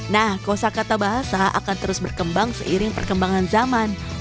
nah kosa kata bahasa akan terus berkembang seiring perkembangan zaman